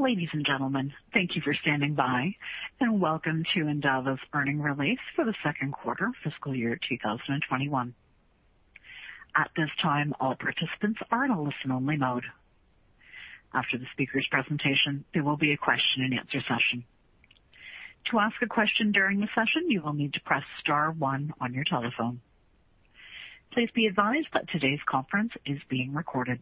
Ladies and gentlemen, thank you for standing by, and welcome to Endava's earnings release for the second quarter fiscal year 2021. At this time, all participants are in a listen-only mode. After the speaker's presentation, there will be a question and answer session. To ask a question during the session, you will need to press star one on your telephone. Please be advised that today's conference is being recorded.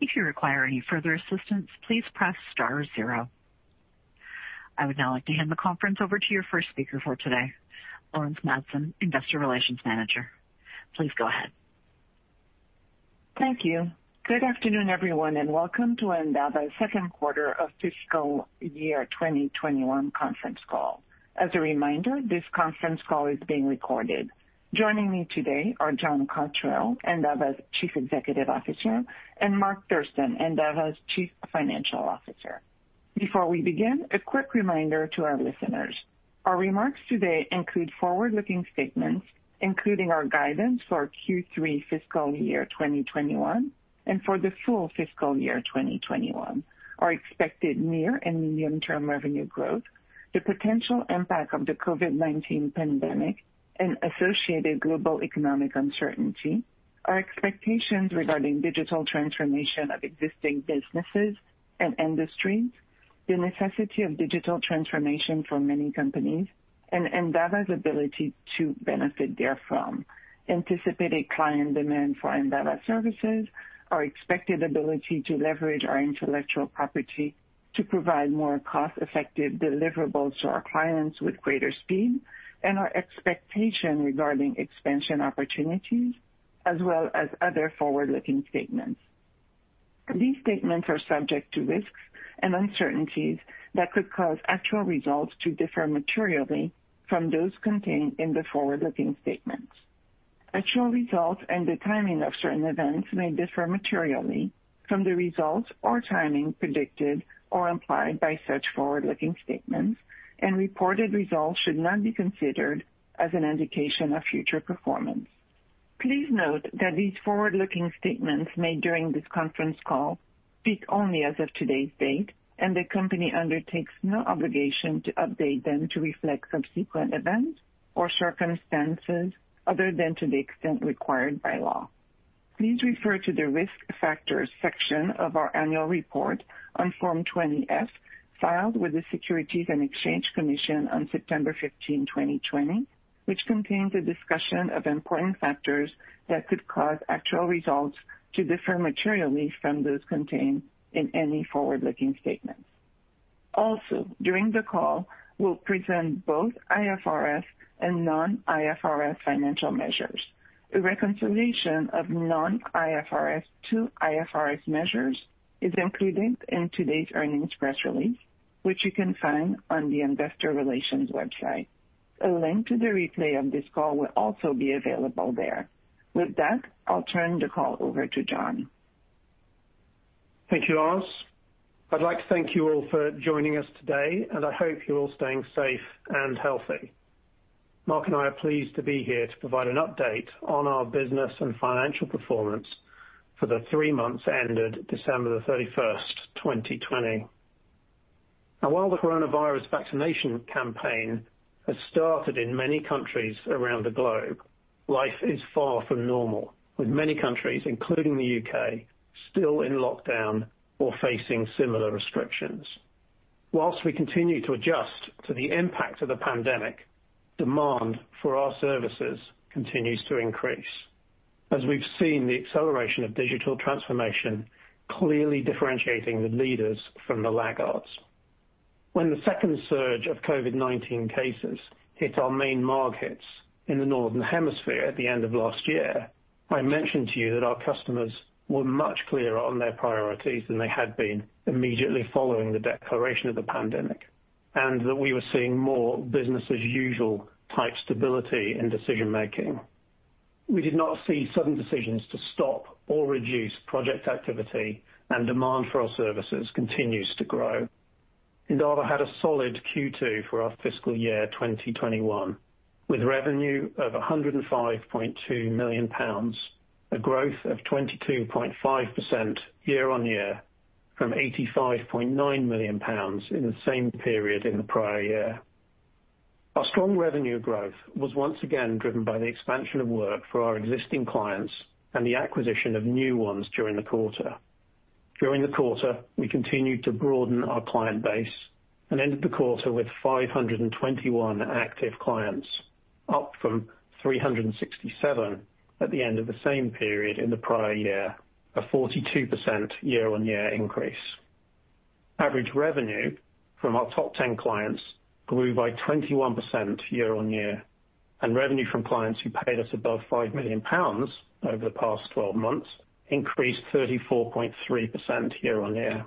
If you require any further assistance, please press star zero. I would now like to hand the conference over to your first speaker for today, Laurence Madsen, Investor Relations Manager. Please go ahead. Thank you. Good afternoon, everyone, and welcome to Endava's second quarter of fiscal year 2021 conference call. As a reminder, this conference call is being recorded. Joining me today are John Cotterell, Endava's Chief Executive Officer, and Mark Thurston, Endava's Chief Financial Officer. Before we begin, a quick reminder to our listeners. Our remarks today include forward-looking statements, including our guidance for Q3 fiscal year 2021, and for the full fiscal year 2021, our expected near and medium-term revenue growth. The potential impact of the COVID-19 pandemic and associated global economic uncertainty, our expectations regarding digital transformation of existing businesses and industries, the necessity of digital transformation for many companies, and Endava's ability to benefit therefrom, anticipated client demand for Endava services. Our expected ability to leverage our intellectual property to provide more cost-effective deliverables to our clients with greater speed, and our expectation regarding expansion opportunities, as well as other forward-looking statements. These statements are subject to risks and uncertainties that could cause actual results to differ materially from those contained in the forward-looking statements. Actual results and the timing of certain events may differ materially from the results or timing predicted or implied by such forward-looking statements, and reported results should not be considered as an indication of future performance. Please note that these forward-looking statements made during this conference call speak only as of today's date, and the company undertakes no obligation to update them to reflect subsequent events or circumstances other than to the extent required by law. Please refer to the Risk Factors section of our annual report on Form 20-F, filed with the Securities and Exchange Commission on September 15, 2020, which contains a discussion of important factors that could cause actual results to differ materially from those contained in any forward-looking statement. Also, during the call, we'll present both IFRS and non-IFRS financial measures. A reconciliation of non-IFRS to IFRS measures is included in today's earnings press release, which you can find on the investor relations website. A link to the replay of this call will also be available there. With that, I'll turn the call over to John. Thank you, Laurence. I'd like to thank you all for joining us today, and I hope you're all staying safe and healthy. Mark and I are pleased to be here to provide an update on our business and financial performance for the three months ended December the 31st, 2020. While the Coronavirus vaccination campaign has started in many countries around the globe, life is far from normal, with many countries, including the U.K., still in lockdown or facing similar restrictions. While we continue to adjust to the impact of the pandemic, demand for our services continues to increase. As we've seen the acceleration of digital transformation clearly differentiating the leaders from the laggards. When the second surge of COVID-19 cases hit our main markets in the Northern hemisphere at the end of last year, I mentioned to you that our customers were much clearer on their priorities than they had been immediately following the declaration of the pandemic, and that we were seeing more business-as-usual type stability in decision-making. We did not see sudden decisions to stop or reduce project activity and demand for our services continues to grow. Endava had a solid Q2 for our fiscal year 2021, with revenue of 105.2 million pounds, a growth of 22.5% year-on-year from 85.9 million pounds in the same period in the prior year. Our strong revenue growth was once again driven by the expansion of work for our existing clients and the acquisition of new ones during the quarter. During the quarter, we continued to broaden our client base and ended the quarter with 521 active clients, up from 367 at the end of the same period in the prior year, a 42% year-on-year increase. Average revenue from our top 10 clients grew by 21% year-on-year, and revenue from clients who paid us above 5 million pounds over the past 12 months increased 34.3% year-on-year.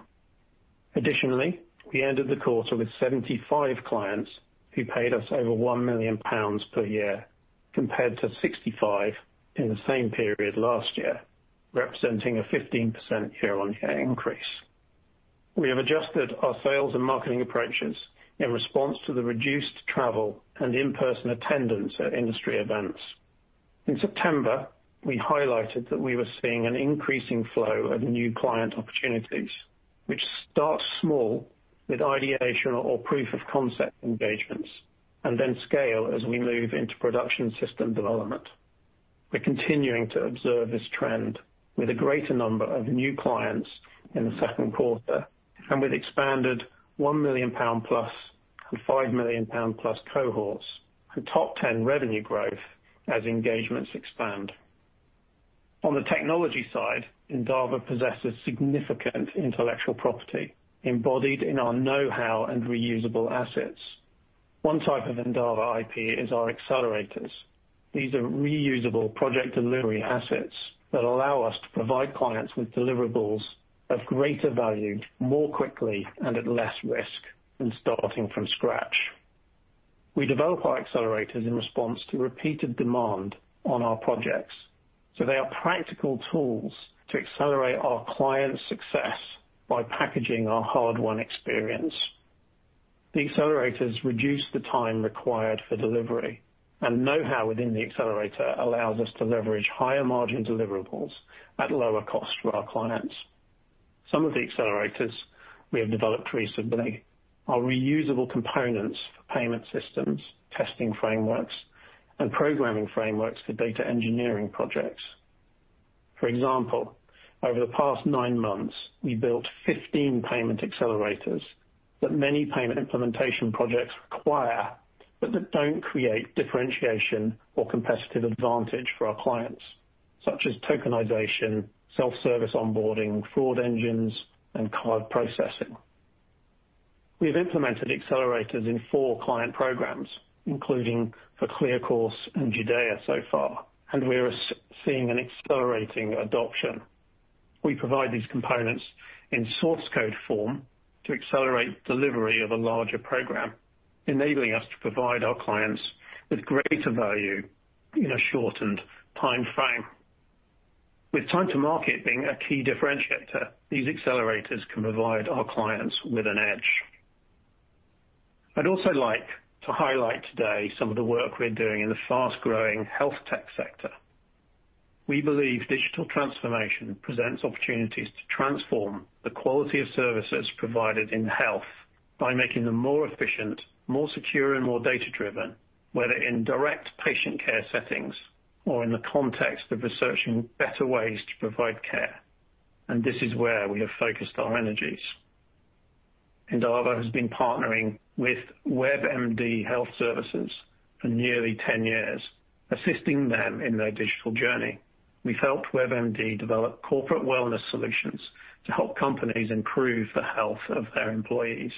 Additionally, we ended the quarter with 75 clients who paid us over 1 million pounds per year, compared to 65 in the same period last year, representing a 15% year-on-year increase. We have adjusted our sales and marketing approaches in response to the reduced travel and in-person attendance at industry events. In September, we highlighted that we were seeing an increasing flow of new client opportunities, which start small with ideation or proof of concept engagements. And then scale as we move into production system development. We're continuing to observe this trend with a greater number of new clients in the second quarter, and with expanded 1 million pound+ and 5 million pound+ cohorts, and top 10 revenue growth as engagements expand. On the technology side, Endava possesses significant intellectual property embodied in our knowhow and reusable assets. One type of Endava IP is our accelerators. These are reusable project delivery assets that allow us to provide clients with deliverables of greater value more quickly and at less risk than starting from scratch. We develop our accelerators in response to repeated demand on our projects. They are practical tools to accelerate our clients' success by packaging our hard-won experience. The accelerators reduce the time required for delivery, and know-how within the accelerator allows us to leverage higher-margin deliverables at lower cost for our clients. Some of the accelerators we have developed recently are reusable components for payment systems, testing frameworks, and programming frameworks for data engineering projects. For example, over the past nine months, we built 15 payment accelerators that many payment implementation projects require. But that don't create differentiation or competitive advantage for our clients, such as tokenization, self-service onboarding, fraud engines, and card processing. We've implemented accelerators in four client programs, including for ClearCourse and Judopay so far, and we are seeing an accelerating adoption. We provide these components in source code form to accelerate delivery of a larger program, enabling us to provide our clients with greater value in a shortened timeframe. With time to market being a key differentiator, these accelerators can provide our clients with an edge. I'd also like to highlight today some of the work we're doing in the fast-growing health tech sector. We believe digital transformation presents opportunities to transform the quality of services provided in health by making them more efficient, more secure, and more data-driven. Whether in direct patient care settings or in the context of researching better ways to provide care. This is where we have focused our energies. Endava has been partnering with WebMD Health Services for nearly 10 years, assisting them in their digital journey. We helped WebMD develop corporate wellness solutions to help companies improve the health of their employees.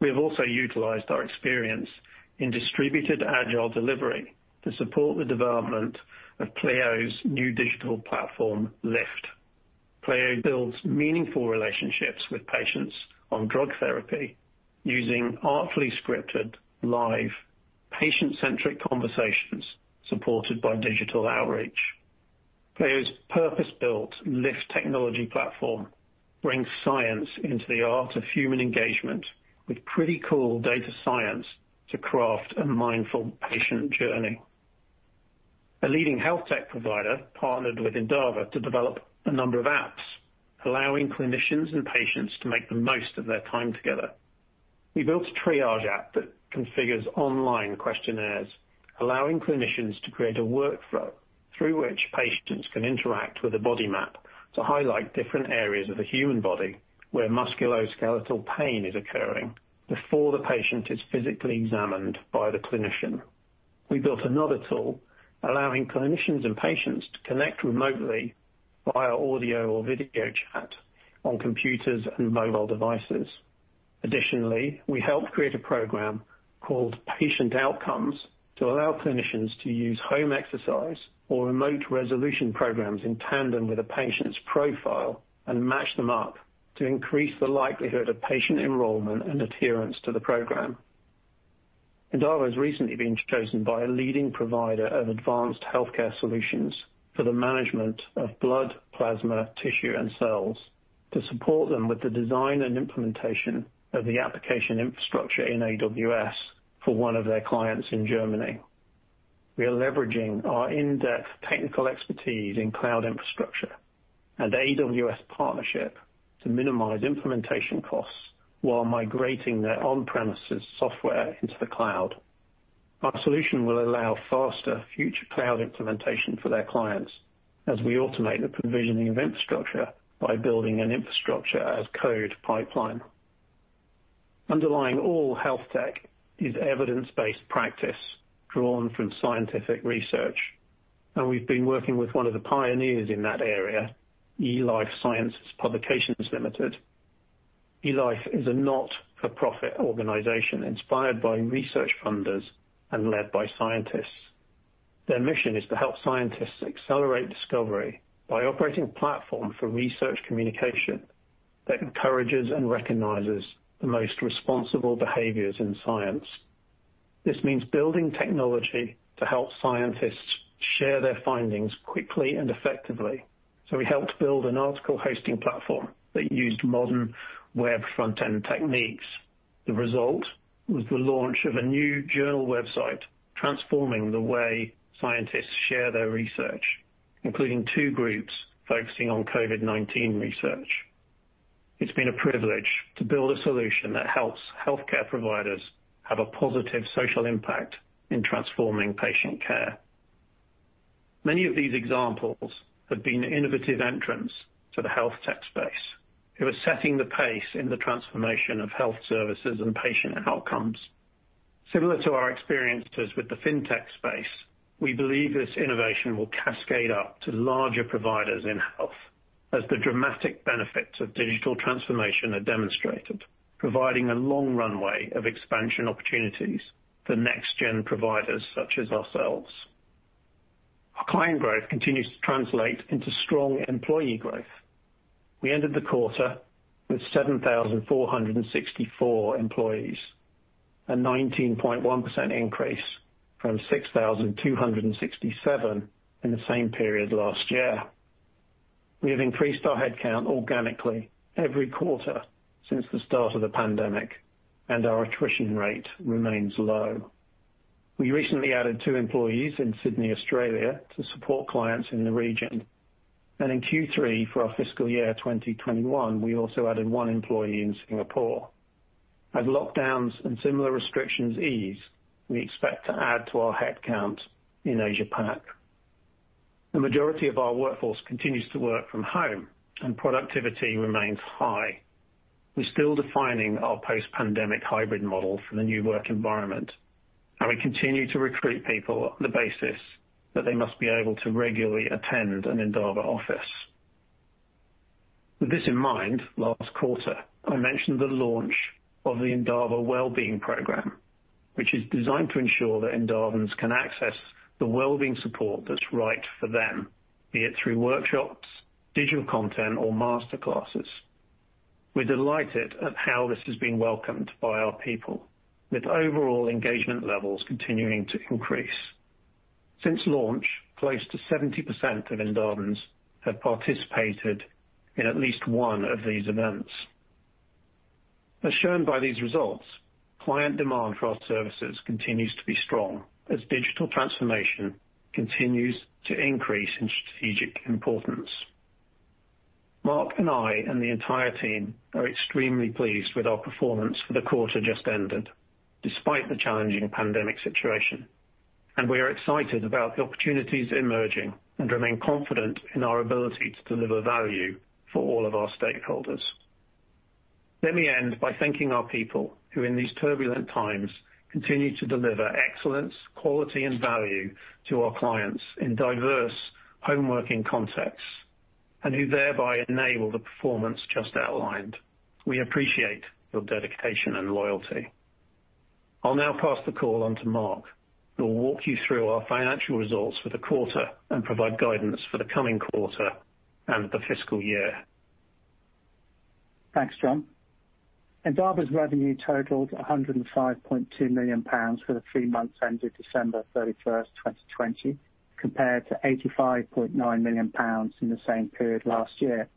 We have also utilized our experience in distributed Agile delivery to support the development of Pleio's new digital platform, LIFT. Pleio builds meaningful relationships with patients on drug therapy using artfully scripted, live, patient-centric conversations supported by digital outreach. Pleio's purpose-built LIFT technology platform brings science into the art of human engagement with pretty cool data science to craft a mindful patient journey. A leading health tech provider partnered with Endava to develop a number of apps allowing clinicians and patients to make the most of their time together. We built a triage app that configures online questionnaires, allowing clinicians to create a workflow through which patients can interact with a body map to highlight different areas of the human body where musculoskeletal pain is occurring before the patient is physically examined by the clinician. We built another tool allowing clinicians and patients to connect remotely via audio or video chat on computers and mobile devices. Additionally, we helped create a program called Patient Outcomes to allow clinicians to use home exercise or remote resolution programs in tandem with a patient's profile and match them up to increase the likelihood of patient enrollment and adherence to the program. Endava has recently been chosen by a leading provider of advanced healthcare solutions for the management of blood, plasma, tissue, and cells to support them with the design and implementation of the application infrastructure in AWS for one of their clients in Germany. We are leveraging our in-depth technical expertise in cloud infrastructure and AWS partnership to minimize implementation costs while migrating their on-premises software into the cloud. Our solution will allow faster future cloud implementation for their clients as we automate the provisioning of infrastructure by building an infrastructure-as-code pipeline. Underlying all health tech is evidence-based practice drawn from scientific research, and we've been working with one of the pioneers in that area, eLife Sciences Publications, Limited. eLife is a not-for-profit organization inspired by research funders and led by scientists. Their mission is to help scientists accelerate discovery by operating a platform for research communication that encourages and recognizes the most responsible behaviors in science. This means building technology to help scientists share their findings quickly and effectively. We helped build an article hosting platform that used modern web front-end techniques. The result was the launch of a new journal website transforming the way scientists share their research, including two groups focusing on COVID-19 research. It's been a privilege to build a solution that helps healthcare providers have a positive social impact in transforming patient care. Many of these examples have been innovative entrants to the health tech space, who are setting the pace in the transformation of health services and Patient Outcomes. Similar to our experiences with the fintech space, we believe this innovation will cascade up to larger providers in health as the dramatic benefits of digital transformation are demonstrated, providing a long runway of expansion opportunities for next-gen providers such as ourselves. Our client growth continues to translate into strong employee growth. We ended the quarter with 7,464 employees, a 19.1% increase from 6,267 in the same period last year. We have increased our head count organically every quarter since the start of the pandemic, and our attrition rate remains low. We recently added two employees in Sydney, Australia to support clients in the region. In Q3 for our fiscal year 2021, we also added one employee in Singapore. As lockdowns and similar restrictions ease, we expect to add to our head count in Asia Pac. The majority of our workforce continues to work from home, and productivity remains high. We're still defining our post-pandemic hybrid model for the new work environment, and we continue to recruit people on the basis that they must be able to regularly attend an Endava office. With this in mind, last quarter, I mentioned the launch of the Endava Wellbeing program, which is designed to ensure that Endavans can access the wellbeing support that's right for them, be it through workshops, digital content, or master classes. We're delighted at how this has been welcomed by our people, with overall engagement levels continuing to increase. Since launch, close to 70% of Endavans have participated in at least one of these events. As shown by these results, client demand for our services continues to be strong as digital transformation continues to increase in strategic importance. Mark and I, and the entire team, are extremely pleased with our performance for the quarter just ended, despite the challenging pandemic situation, and we are excited about the opportunities emerging and remain confident in our ability to deliver value for all of our stakeholders. Let me end by thanking our people, who in these turbulent times, continue to deliver excellence, quality, and value to our clients in diverse home working contexts, and who thereby enable the performance just outlined. We appreciate your dedication and loyalty. I'll now pass the call on to Mark, who will walk you through our financial results for the quarter and provide guidance for the coming quarter and the fiscal year. Thanks, John. Endava's revenue totaled 105.2 million pounds for the three months ended December 31st, 2020, compared to 85.9 million pounds in the same period last year,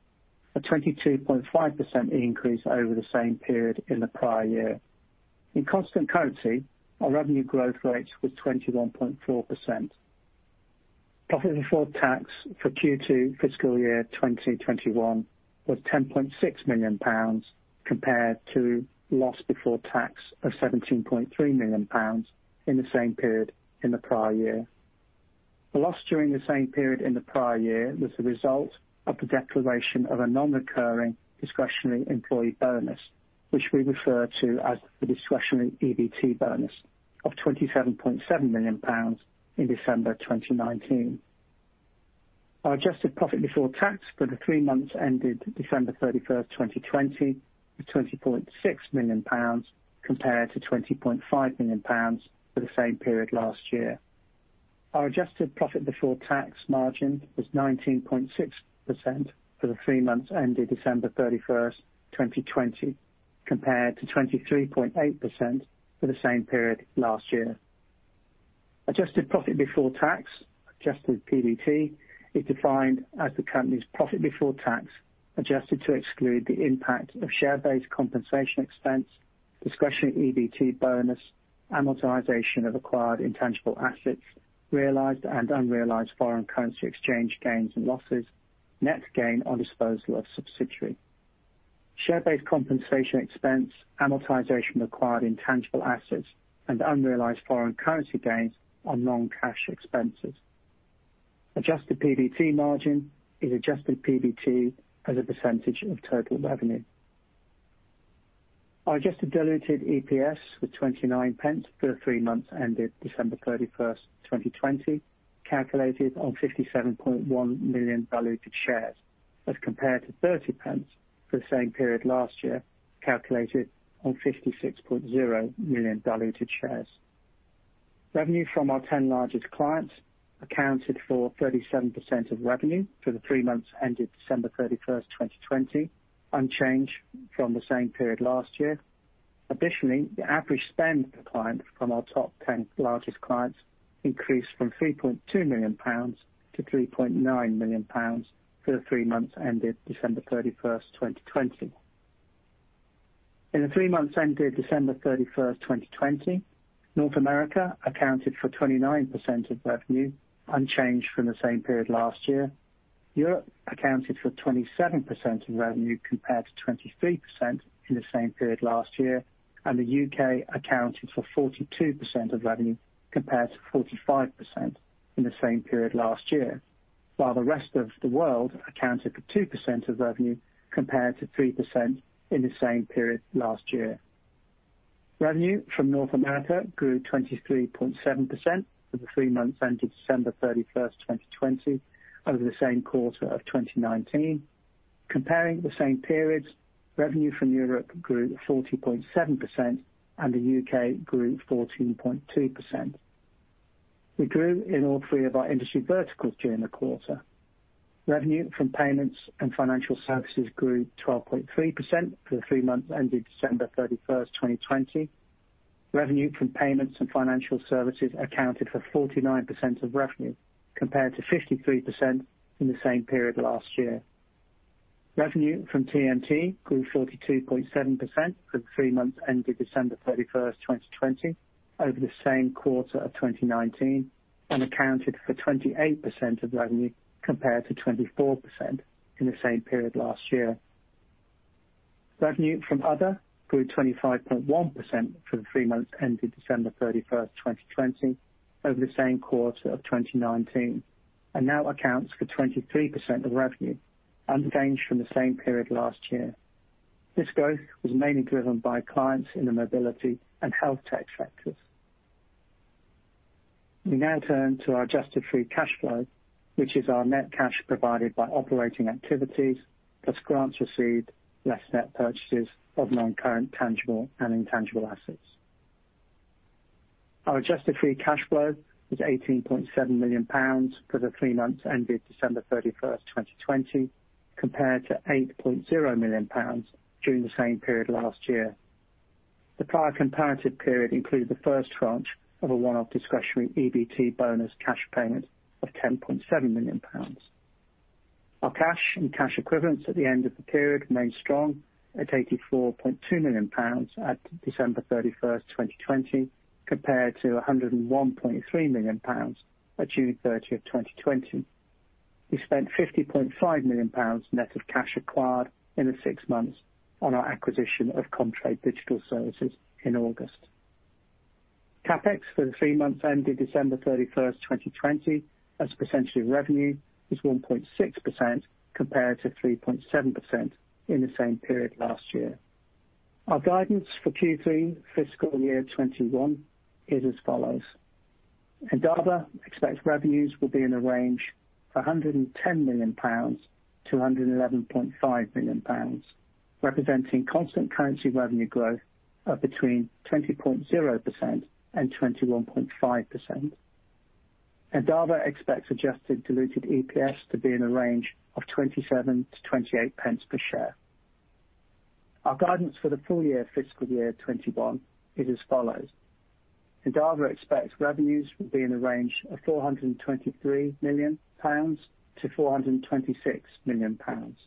a 22.5% increase over the same period in the prior year. In constant currency, our revenue growth rate was 21.4%. Profit before tax for Q2 fiscal year 2021 was 10.6 million pounds compared to loss before tax of 17.3 million pounds in the same period in the prior year. The loss during the same period in the prior year was the result of the declaration of a non-recurring discretionary employee bonus, which we refer to as the discretionary EBT bonus of 27.7 million pounds in December 2019. Our adjusted profit before tax for the three months ended December 31st, 2020 was GBP 20.6 million compared to GBP 20.5 million for the same period last year. Our adjusted profit before tax margin was 19.6% for the three months ended December 31, 2020, compared to 23.8% for the same period last year. Adjusted profit before tax, adjusted PBT, is defined as the company's profit before tax, adjusted to exclude the impact of share-based compensation expense, discretionary EBT Bonus, amortization of acquired intangible assets, realized and unrealized foreign currency exchange gains and losses, net gain on disposal of subsidiary. Share-based compensation expense, amortization of acquired intangible assets, and unrealized foreign currency gains are non-cash expenses. Adjusted PBT margin is adjusted PBT as a percentage of total revenue. Our adjusted diluted EPS was 0.29 for the three months ended December 31, 2020, calculated on 57.1 million diluted shares as compared to 0.30 for the same period last year, calculated on 56.0 million diluted shares. Revenue from our 10 largest clients accounted for 37% of revenue for the three months ended December 31st, 2020, unchanged from the same period last year. Additionally, the average spend per client from our top 10 largest clients increased from 3.2 million-3.9 million pounds for the three months ended December 31st, 2020. In the three months ending December 31st, 2020, North America accounted for 29% of revenue, unchanged from the same period last year. Europe accounted for 27% of revenue, compared to 23% in the same period last year. The U.K. accounted for 42% of revenue, compared to 45% in the same period last year. While the rest of the world accounted for 2% of revenue, compared to 3% in the same period last year. Revenue from North America grew 23.7% for the three months ending December 31st, 2020 over the same quarter of 2019. Comparing the same periods, revenue from Europe grew 40.7%, and the U.K. grew 14.2%. We grew in all three of our industry verticals during the quarter. Revenue from payments and financial services grew 12.3% for the three months ending December 31, 2020. Revenue from payments and financial services accounted for 49% of revenue, compared to 53% in the same period last year. Revenue from TMT grew 42.7% for the three months ending December 31, 2020 over the same quarter of 2019, and accounted for 28% of revenue, compared to 24% in the same period last year. Revenue from other grew 25.1% for the three months ending December 31, 2020 over the same quarter of 2019, and now accounts for 23% of revenue, unchanged from the same period last year. This growth was mainly driven by clients in the mobility and health tech sectors. We now turn to our adjusted free cash flow, which is our net cash provided by operating activities plus grants received, less net purchases of non-current tangible and intangible assets. Our adjusted free cash flow was GBP 18.7 million for the three months ending December 31, 2020, compared to GBP 8.0 million during the same period last year. The prior comparative period included the first tranche of a one-off discretionary EBT Bonus cash payment of 10.7 million pounds. Our cash and cash equivalents at the end of the period remained strong at 84.2 million pounds at December 31, 2020, compared to 101.3 million pounds at June 30, 2020. We spent 50.5 million pounds net of cash acquired in the six months on our acquisition of Comtrade Digital Services in August. CapEx for the three months ending December 31, 2020 as a percentage of revenue is 1.6% compared to 3.7% in the same period last year. Our guidance for Q3 fiscal year 2021 is as follows. Endava expects revenues will be in the range of 110 million-111.5 million pounds, representing constant currency revenue growth of between 20.0% and 21.5%. Endava expects adjusted diluted EPS to be in a range of 0.27-0.28 per share. Our guidance for the full year fiscal year 2021 is as follows. Endava expects revenues will be in the range of 423 million-426 million pounds,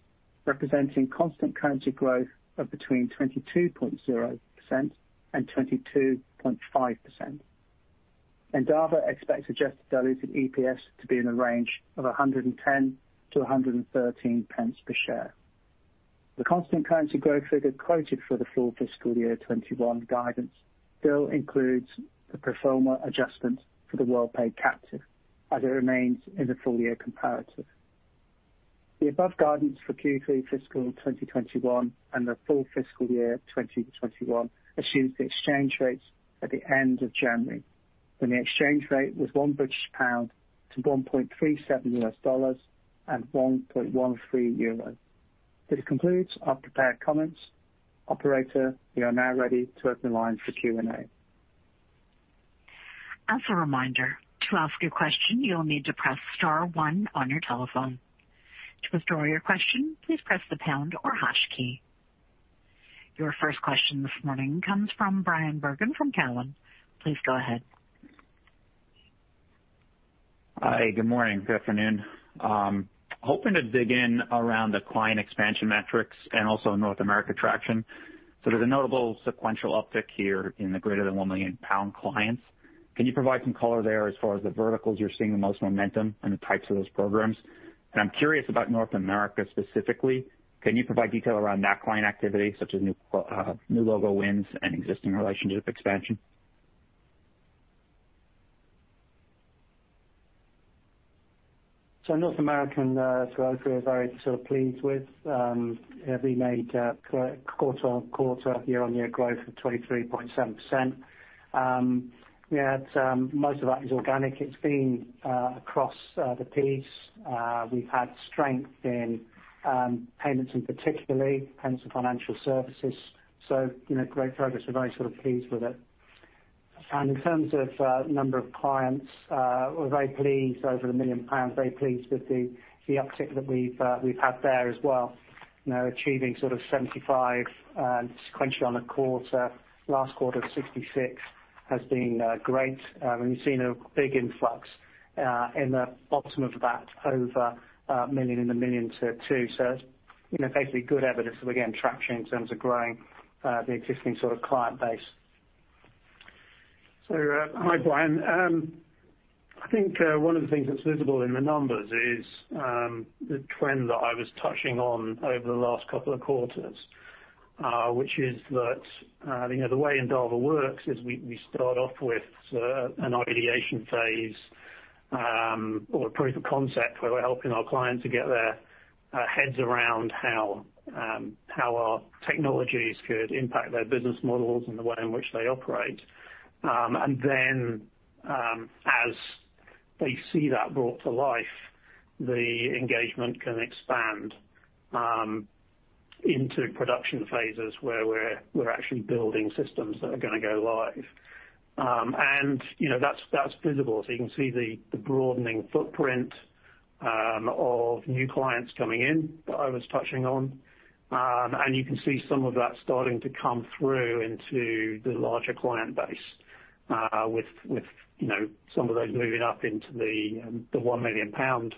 representing constant currency growth of between 22.0% and 22.5%. Endava expects adjusted diluted EPS to be in the range of 1.10-1.13 per share. The constant currency growth figure quoted for the full fiscal year 2021 guidance still includes the pro forma adjustment for the Worldpay captive, as it remains in the full-year comparative. The above guidance for Q3 fiscal 2021 and the full fiscal year 2021 assumes the exchange rates at the end of January, when the exchange rate was 1 British pound to $1.37 and 1.13 euros. This concludes our prepared comments. Operator, we are now ready to open the line for Q&A. As a reminder, to ask a question, you'll need to press star one on your telephone. To withdraw your question, please press the pound or hash key. Your first question this morning comes from Bryan Bergin from Cowen. Please go ahead. Hi, good morning. Good afternoon. Hoping to dig in around the client expansion metrics and also North America traction. There's a notable sequential uptick here in the greater than 1 million pound clients. Can you provide some color there as far as the verticals you're seeing the most momentum and the types of those programs? I'm curious about North America specifically. Can you provide detail around that client activity, such as new logo wins and existing relationship expansion? North American growth, we are very sort of pleased with. We made quarter-on-quarter, year-on-year growth of 23.7%. Most of that is organic. It's been across the piece. We've had strength in payments and particularly payments and financial services. Great progress. We're very sort of pleased with it. In terms of number of clients, we're very pleased over a million pounds, very pleased with the uptick that we've had there as well. Achieving sort of 75 sequentially on the quarter, last quarter 66. Has been great, and we've seen a big influx in the bottom of that over a million, in the million to two million. Basically good evidence of, again, traction in terms of growing the existing client base. Hi, Bryan. I think one of the things that's visible in the numbers is the trend that I was touching on over the last couple of quarters, which is that the way Endava works is we start off with an ideation phase, or a proof of concept, where we're helping our client to get their heads around how our technologies could impact their business models and the way in which they operate. As they see that brought to life, the engagement can expand into production phases where we're actually building systems that are going to go live. That's visible. You can see the broadening footprint of new clients coming in, that I was touching on. You can see some of that starting to come through into the larger client base, with some of those moving up into the 1 million pound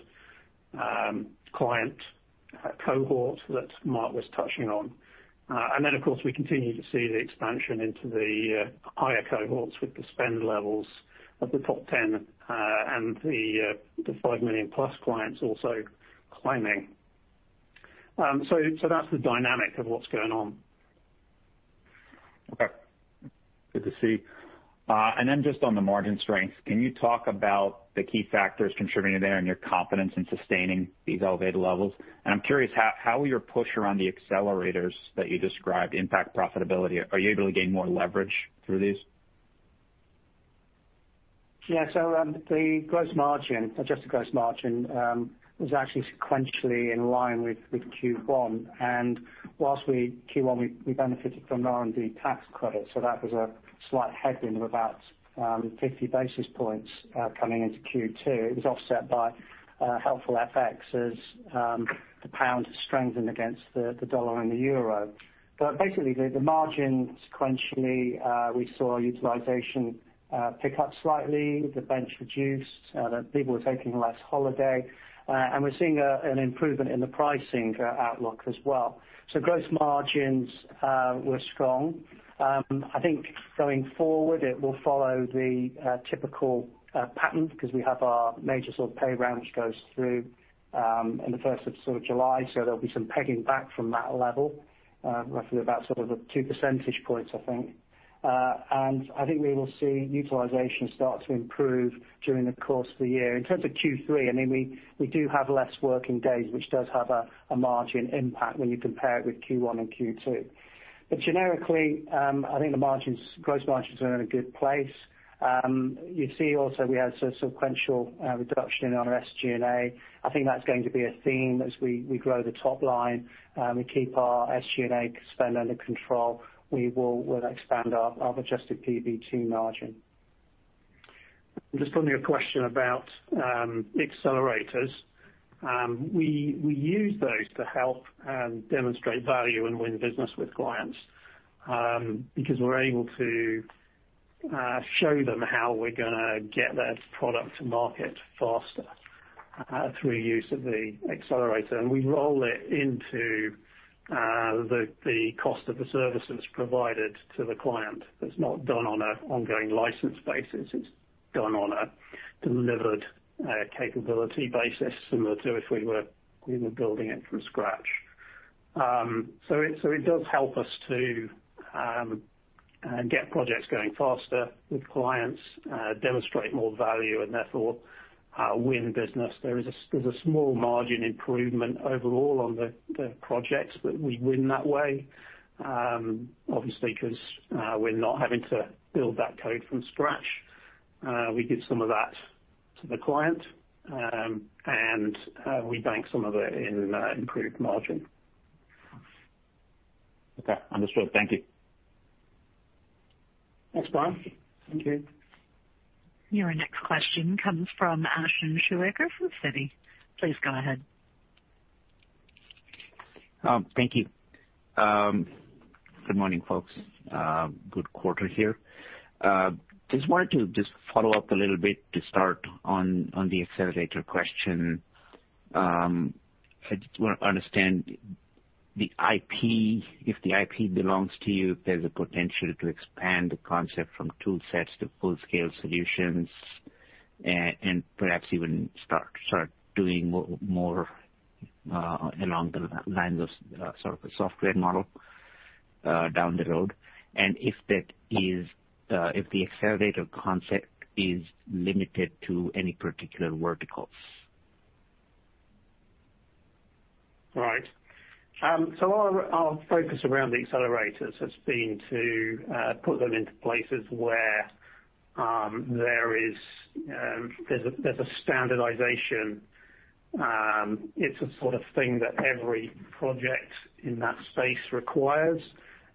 client cohort that Mark was touching on. Of course, we continue to see the expansion into the higher cohorts with the spend levels of the top 10, and the five million+ clients also climbing. That's the dynamic of what's going on? Okay. Good to see. Then just on the margin strengths, can you talk about the key factors contributing there and your confidence in sustaining these elevated levels? I'm curious, how will your push around the accelerators that you described impact profitability? Are you able to gain more leverage through these? The gross margin, adjusted gross margin, was actually sequentially in line with Q1. Whilst Q1, we benefited from an R&D tax credit, that was a slight headwind of about 50 basis points coming into Q2. It was offset by helpful FX as the pound has strengthened against the dollar and the euro. Basically, the margin sequentially, we saw utilization pick up slightly, the bench reduced, people were taking less holiday. We're seeing an improvement in the pricing outlook as well. Gross margins were strong. I think going forward, it will follow the typical pattern because we have our major pay round which goes through in the first of July, there'll be some pegging back from that level, roughly about two percentage points, I think. I think we will see utilization start to improve during the course of the year. In terms of Q3, we do have less working days, which does have a margin impact when you compare it with Q1 and Q2. Generically, I think the gross margins are in a good place. You see also we had sequential reduction in our SG&A. I think that's going to be a theme as we grow the top line, we keep our SG&A spend under control. We will expand our adjusted PBT margin. Just on your question about accelerators. We use those to help demonstrate value and win business with clients, because we're able to show them how we're going to get their product to market faster through use of the accelerator. We roll it into the cost of the service that's provided to the client. It's not done on an ongoing license basis, it's done on a delivered capability basis, similar to if we were building it from scratch. It does help us to get projects going faster with clients, demonstrate more value, and therefore win business. There's a small margin improvement overall on the projects that we win that way. Obviously, because we're not having to build that code from scratch. We give some of that to the client, and we bank some of it in improved margin. Okay. Understood. Thank you. Thanks, Bryan. Thank you. Your next question comes from Ashwin Shirvaikar, Citi. Please go ahead. Thank you. Good morning, folks. Good quarter here. Just wanted to follow up a little bit to start on the accelerator question. I just want to understand the IP, if the IP belongs to you, if there's a potential to expand the concept from tool sets to full-scale solutions, and perhaps even start doing more along the lines of a software model down the road. If the accelerator concept is limited to any particular verticals. Right. Our focus around the accelerators has been to put them into places where there's a standardization. It's a sort of thing that every project in that space requires,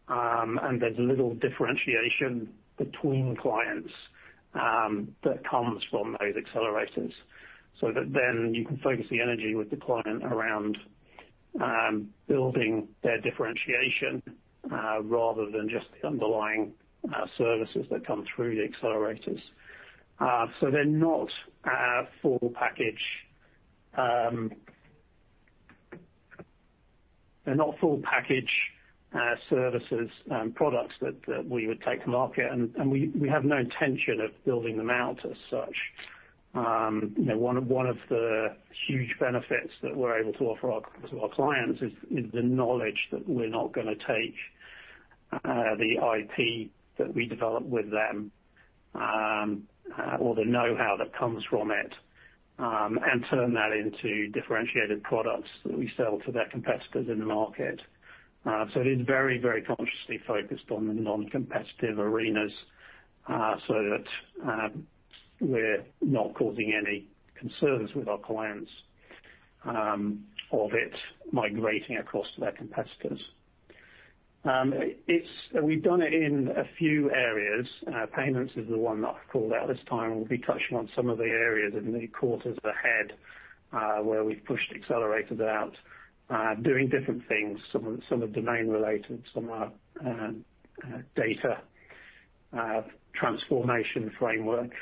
and there's little differentiation between clients. That then you can focus the energy with the client around building their differentiation rather than just the underlying services that come through the accelerators. They're not full package services and products that we would take to market, and we have no intention of building them out as such. One of the huge benefits that we're able to offer to our clients is the knowledge that we're not going to take the IP that we develop with them, or the know-how that comes from it, and turn that into differentiated products that we sell to their competitors in the market. It is very consciously focused on the non-competitive arenas, so that we're not causing any concerns with our clients of it migrating across to their competitors. We've done it in a few areas. Payments is the one that I called out this time. We'll be touching on some of the areas in the quarters ahead, where we've pushed accelerators out, doing different things. Some are domain-related, some are data transformation frameworks,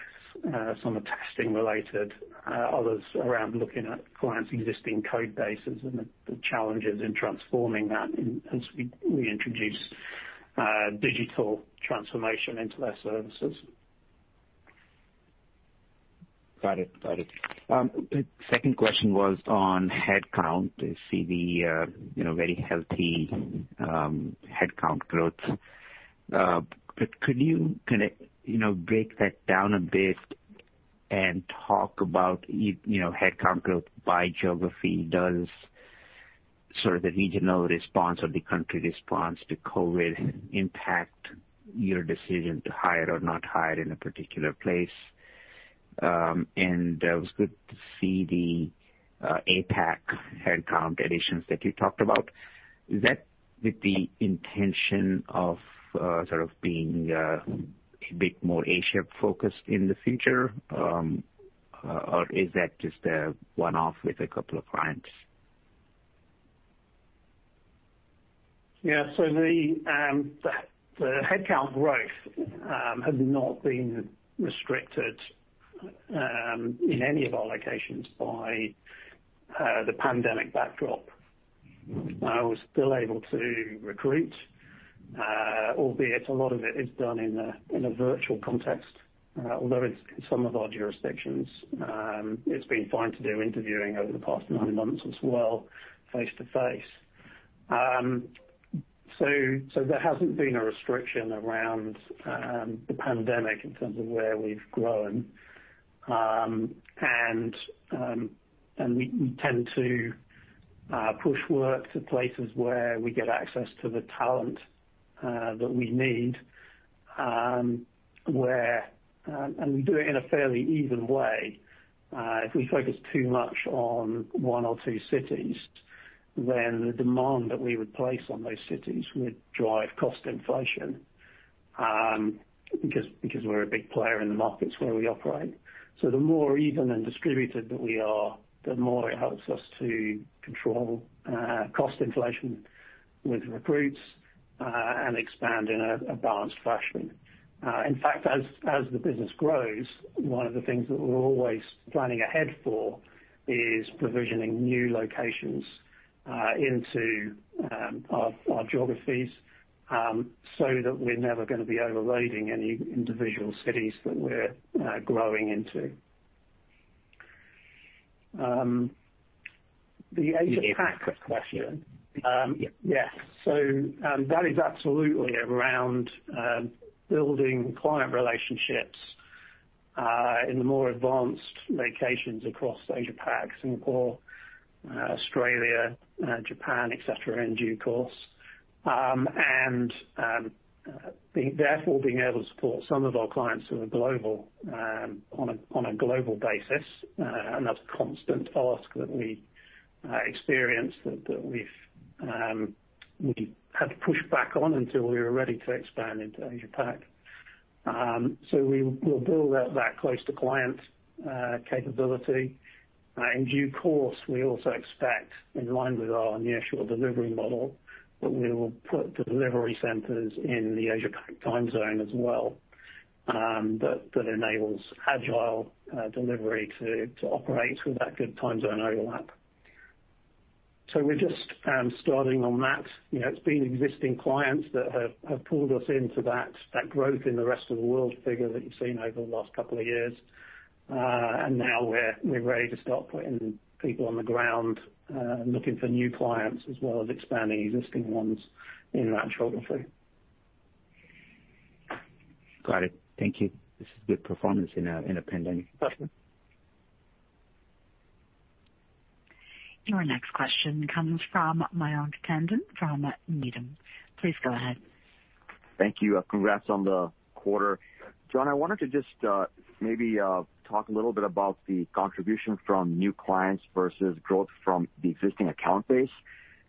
some are testing-related, others around looking at clients' existing code bases and the challenges in transforming that as we introduce digital transformation into their services. Got it. The second question was on headcount. To see the very healthy headcount growth. Could you kind of break that down a bit and talk about headcount growth by geography? Does sort of the regional response or the country response to COVID-19 impact your decision to hire or not hire in a particular place? It was good to see the APAC headcount additions that you talked about. Is that with the intention of sort of being a bit more Asia-focused in the future, or is that just a one-off with a couple of clients? Yeah. The headcount growth has not been restricted in any of our locations by the pandemic backdrop. We're still able to recruit, albeit a lot of it is done in a virtual context. Although in some of our jurisdictions, it's been fine to do interviewing over the past nine months as well, face-to-face. There hasn't been a restriction around the pandemic in terms of where we've grown. We tend to push work to places where we get access to the talent that we need, and we do it in a fairly even way. If we focus too much on one or two cities, then the demand that we would place on those cities would drive cost inflation, because we're a big player in the markets where we operate. The more even and distributed that we are, the more it helps us to control cost inflation with recruits, and expand in a balanced fashion. In fact, as the business grows, one of the things that we're always planning ahead for is provisioning new locations into our geographies, so that we're never going to be overloading any individual cities that we're growing into. The APAC question. Yes. That is absolutely around building client relationships in the more advanced locations across Asia-Pac, Singapore, Australia, Japan, et cetera, in due course. Therefore being able to support some of our clients who are on a global basis. That's a constant ask that we experience, that we've had to push back on until we were ready to expand into Asia-Pac. We will build out that close-to-client capability. In due course, we also expect, in line with our nearshore delivery model, that we will put delivery centers in the Asia-Pac time zone as well, that enables Agile delivery to operate with that good time zone overlap. We're just starting on that. It's been existing clients that have pulled us into that growth in the rest of the world figure that you've seen over the last couple of years. Now we're ready to start putting people on the ground, looking for new clients, as well as expanding existing ones in that geography. Got it. Thank you. This is good performance in a pandemic. Okay. Your next question comes from Mayank Tandon from Needham. Please go ahead. Thank you. Congrats on the quarter. John, I wanted to just maybe talk a little bit about the contribution from new clients versus growth from the existing account base,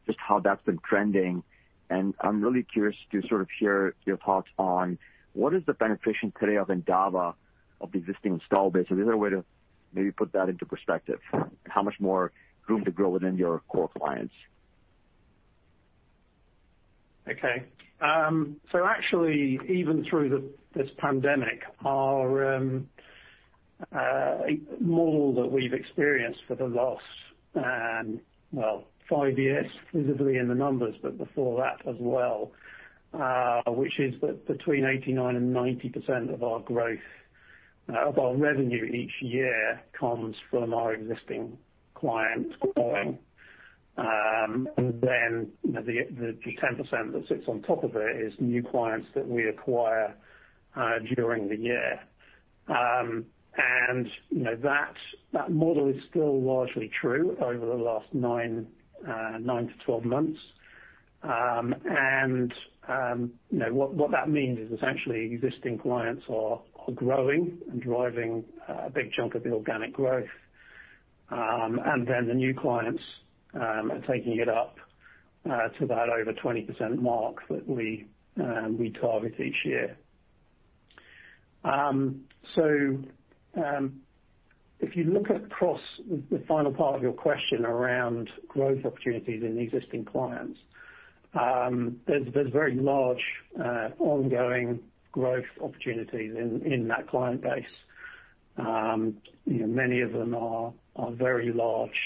just how that's been trending. I'm really curious to sort of hear your thoughts on what is the penetration today of Endava of the existing install base? Is there a way to Maybe put that into perspective. How much more room to grow within your core clients? Actually, even through this pandemic, our model that we've experienced for the last five years visibly in the numbers, but before that as well, which is that between 89% and 90% of our growth, of our revenue each year comes from our existing clients growing. The 10% that sits on top of it is new clients that we acquire during the year. That model is still largely true over the last nine to 12 months. What that means is essentially existing clients are growing and driving a big chunk of the organic growth. The new clients are taking it up to that over 20% mark that we target each year. If you look across the final part of your question around growth opportunities in existing clients, there's very large, ongoing growth opportunities in that client base. Many of them are very large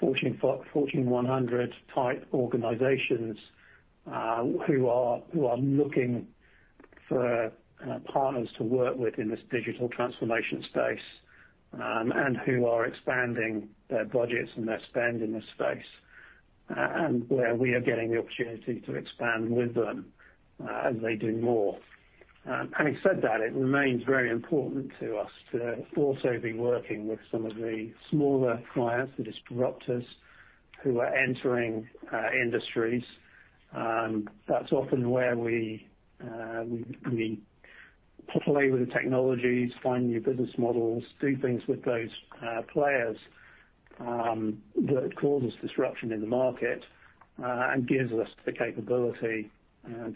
Fortune 100 type organizations who are looking for partners to work with in this digital transformation space, and who are expanding their budgets and their spend in this space, and where we are getting the opportunity to expand with them as they do more. Having said that, it remains very important to us to also be working with some of the smaller clients, the disruptors who are entering industries. That's often where we play with the technologies, find new business models, do things with those players, that causes disruption in the market, and gives us the capability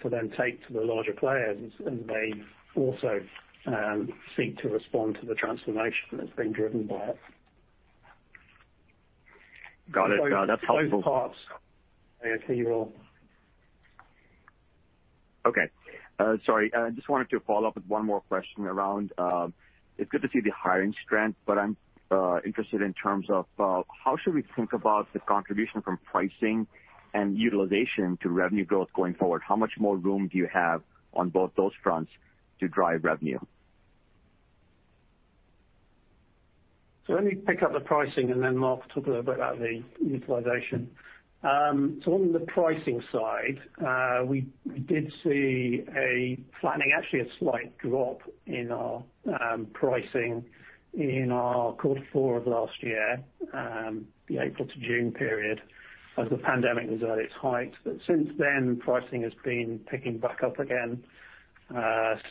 to then take to the larger players, and they also seek to respond to the transformation that's been driven by it. Got it. That is helpful. Both parts I think will. Okay. Sorry, I just wanted to follow up with one more question. It's good to see the hiring strength, but I'm interested in terms of how should we think about the contribution from pricing and utilization to revenue growth going forward? How much more room do you have on both those fronts to drive revenue? Let me pick up the pricing and then Mark talk a little bit about the utilization. On the pricing side, we did see a flattening, actually a slight drop in our pricing in our quarter four of last year, the April to June period as the pandemic was at its height. Since then, pricing has been picking back up again,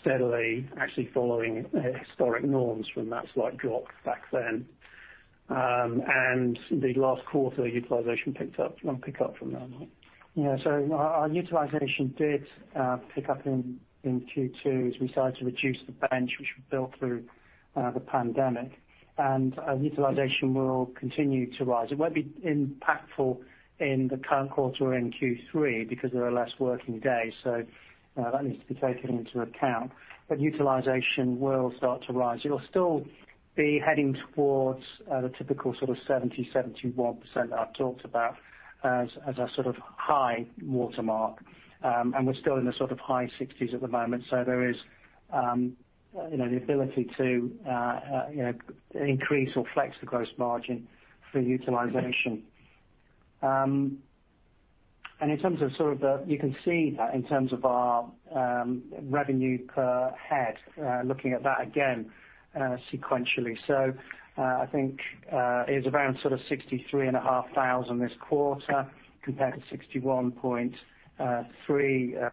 steadily actually following historic norms from that slight drop back then. The last quarter, utilization picked up. Do you want to pick up from that, Mark? Yeah. Our utilization did pick up in Q2 as we started to reduce the bench, which we built through the pandemic, and utilization will continue to rise. It won't be impactful in the current quarter or in Q3 because there are less working days, so that needs to be taken into account. Utilization will start to rise. It'll still be heading towards the typical sort of 70%, 71% that I've talked about as our sort of high watermark. We're still in the sort of high 60s at the moment, so there is the ability to increase or flex the gross margin through utilization. You can see that in terms of our revenue per head, looking at that again sequentially. I think it's around sort of 63,500 this quarter compared to 61,300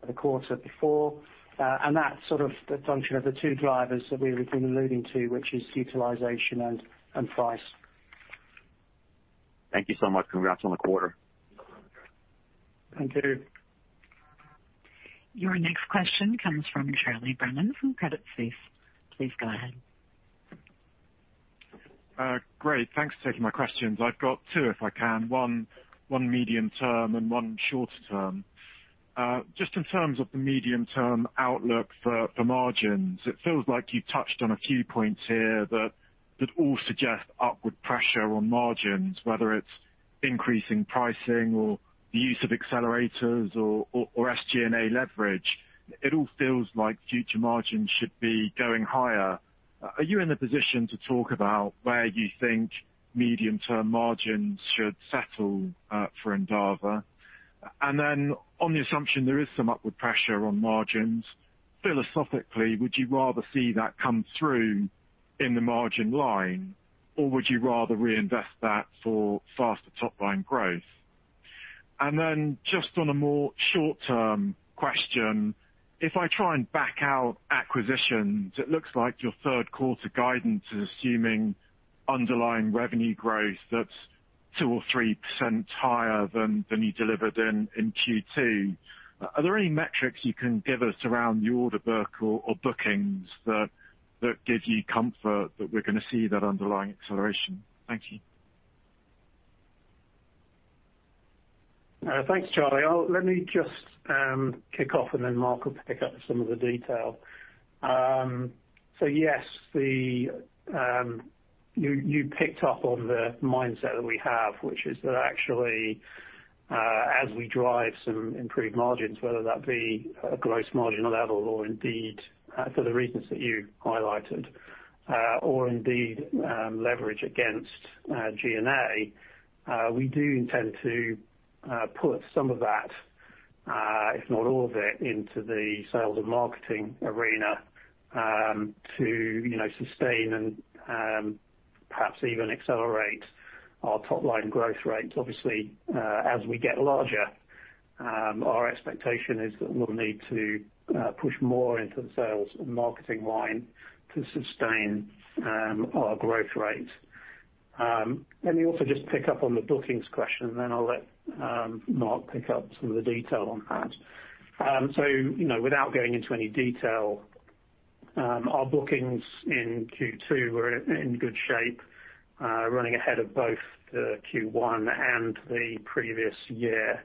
the quarter before. That's sort of the function of the two drivers that we've been alluding to, which is utilization and price. Thank you so much. Congrats on the quarter. Thank you. Your next question comes from Charlie Brennan from Credit Suisse. Please go ahead. Great. Thanks for taking my questions. I've got two, if I can. One medium-term and one shorter term. Just in terms of the medium-term outlook for margins, it feels like you touched on a few points here that all suggest upward pressure on margins, whether it's increasing pricing or the use of accelerators or SG&A leverage. It all feels like future margins should be going higher. Are you in a position to talk about where you think medium-term margins should settle for Endava? On the assumption there is some upward pressure on margins, philosophically, would you rather see that come through in the margin line, or would you rather reinvest that for faster top-line growth? Just on a more short-term question, if I try and back out acquisitions, it looks like your third quarter guidance is assuming underlying revenue growth that's 2% or 3% higher than you delivered in Q2. Are there any metrics you can give us around the order book or bookings that give you comfort that we're going to see that underlying acceleration? Thank you. Thanks, Charlie. Let me just kick off and then Mark will pick up some of the detail. Yes, you picked up on the mindset that we have, which is that actually, as we drive some improved margins, whether that be a gross margin level or indeed. For the reasons that you highlighted, or indeed leverage against G&A, we do intend to put some of that, if not all of it, into the sales and marketing arena, to sustain and perhaps even accelerate our top-line growth rates. Obviously, as we get larger, our expectation is that we'll need to push more into the sales and marketing line to sustain our growth rate. Let me also just pick up on the bookings question, then I'll let Mark pick up some of the detail on that. Without going into any detail, our bookings in Q2 were in good shape, running ahead of both the Q1 and the previous year,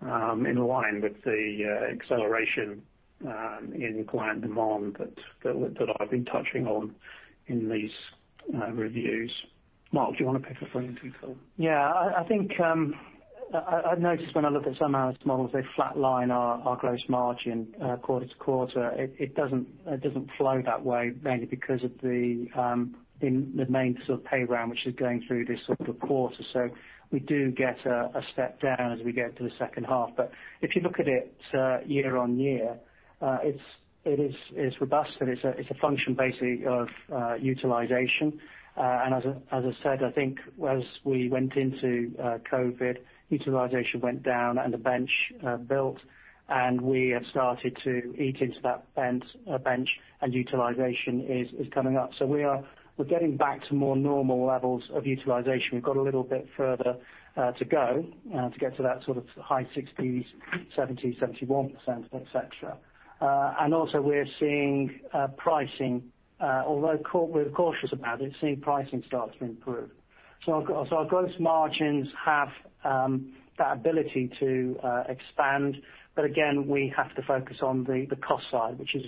in line with the acceleration in client demand that I've been touching on in these reviews. Mark, do you want to pick up on any detail? Yeah, I think I noticed when I look at some analyst models, they flatline our gross margin quarter-over-quarter. It doesn't flow that way mainly because of the main sort of pay round, which is going through this sort of quarter. We do get a step down as we get to the second half. If you look at it year-on-year, it is robust and it's a function basically of utilization. As I said, I think as we went into COVID, utilization went down and the bench built, and we have started to eat into that bench, and utilization is coming up. We're getting back to more normal levels of utilization. We've got a little bit further to go to get to that sort of high 60s, 70%, 71%, et cetera. Also we're seeing pricing, although we're cautious about it, seeing pricing start to improve. Our gross margins have that ability to expand. Again, we have to focus on the cost side, which is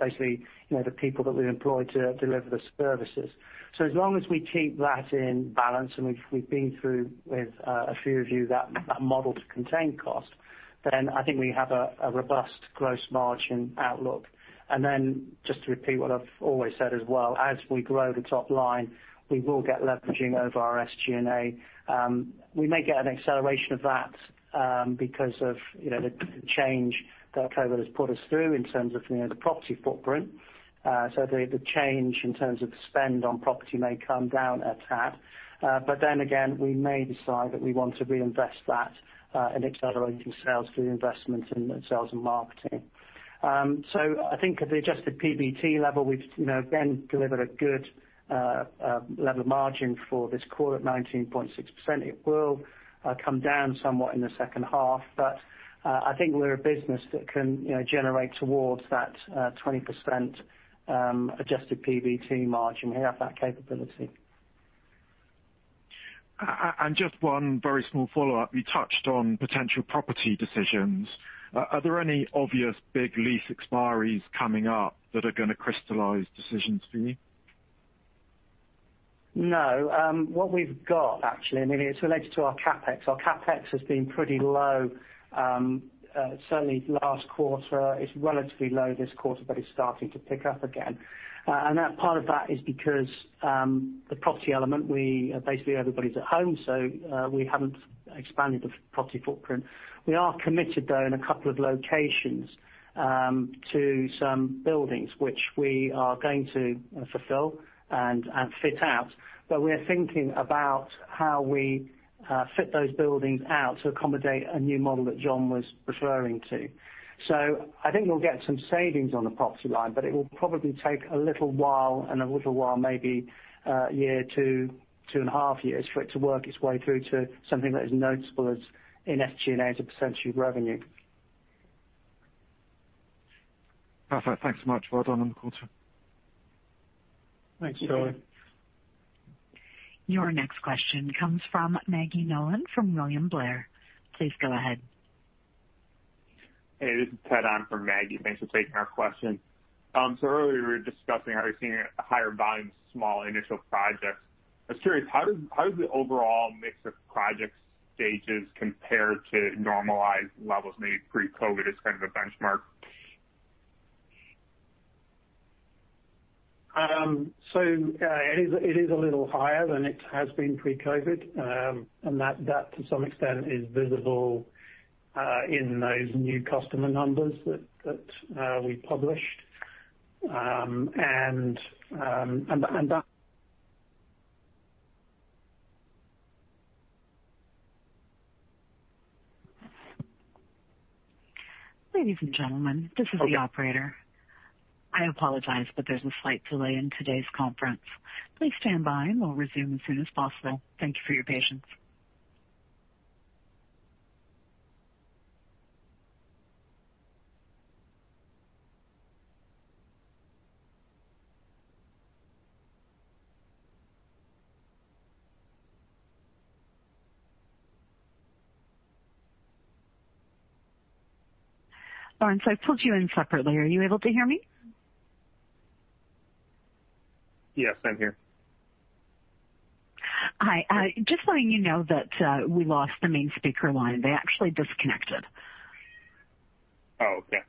basically the people that we employ to deliver the services. As long as we keep that in balance, and we've been through with a few of you that model to contain cost, then I think we have a robust gross margin outlook. Then just to repeat what I've always said as well, as we grow the top line, we will get leveraging over our SG&A. We may get an acceleration of that because of the change that COVID has put us through in terms of the property footprint. The change in terms of spend on property may come down a tad. Again, we may decide that we want to reinvest that in accelerating sales through investment in sales and marketing. I think at the adjusted PBT level, we've again delivered a good level of margin for this quarter at 19.6%. It will come down somewhat in the second half, but I think we're a business that can generate towards that 20% adjusted PBT margin. We have that capability. Just one very small follow-up. You touched on potential property decisions. Are there any obvious big lease expiries coming up that are going to crystallize decisions for you? No. What we've got actually, and it's related to our CapEx. Our CapEx has been pretty low, certainly last quarter. It's relatively low this quarter, but it's starting to pick up again. Part of that is because the property element, basically everybody's at home, so we haven't expanded the property footprint. We are committed, though, in a couple of locations, to some buildings which we are going to fulfill and fit out. We're thinking about how we fit those buildings out to accommodate a new model that John was referring to. I think we'll get some savings on the property line, but it will probably take a little while, maybe a year to two and a half years for it to work its way through to something that is notable as in SG&A as a percentage of revenue. Perfect. Thanks so much. Well done on the quarter. Thanks, Charlie. Your next question comes from Maggie Nolan from William Blair. Please go ahead. Hey, this is [Ted] on for Maggie. Thanks for taking our question. Earlier, we were discussing how you're seeing higher volumes of small initial projects. I was curious, how does the overall mix of project stages compare to normalized levels, maybe pre-COVID as kind of a benchmark? It is a little higher than it has been pre-COVID. That to some extent is visible in those new customer numbers that we published. Ladies and gentlemen, this is the Operator. I apologize, but there's a slight delay in today's conference. Please stand by and we'll resume as soon as possible. Thank you for your patience. [Barnes], I pulled you in separately. Are you able to hear me? Yes, I'm here. Hi. Just letting you know that we lost the main speaker line. They actually disconnected. Oh, okay.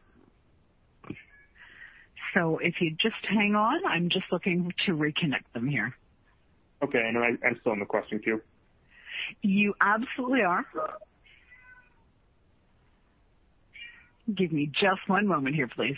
If you just hang on, I'm just looking to reconnect them here. Okay. I'm still on the question queue? You absolutely are. Give me just one moment here, please.